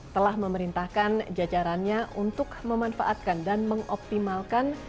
telah memerintahkan jajarannya untuk memanfaatkan dan mengoptimalkan